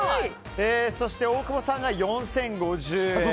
そして、大久保さんが４０５０円。